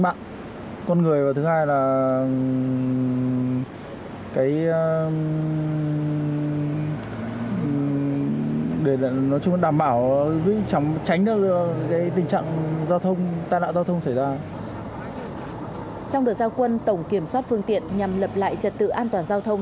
bảo đảm trật tự an toàn xã hội